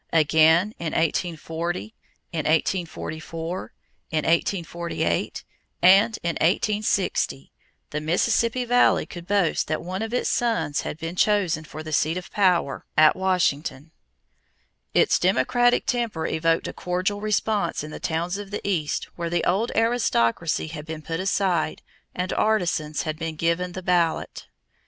Again in 1840, in 1844, in 1848, and in 1860, the Mississippi Valley could boast that one of its sons had been chosen for the seat of power at Washington. Its democratic temper evoked a cordial response in the towns of the East where the old aristocracy had been put aside and artisans had been given the ballot.